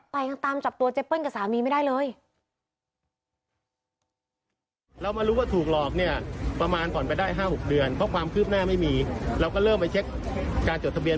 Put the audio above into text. แต่ยังตามจับตัวเจเปิ้ลกับสามีไม่ได้เลย